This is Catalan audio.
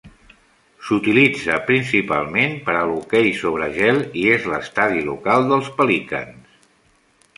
S'utilitza principalment per a l'hoquei sobre gel i és l'estadi local dels Pelicans.